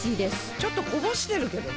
ちょっとこぼしてるけどね